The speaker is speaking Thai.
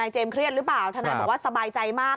เครียดหรือเปล่าทนายบอกว่าสบายใจมาก